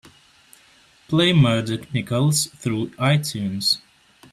Play Murdoc Nicalls through Itunes.